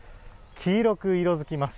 黄色く色づきます。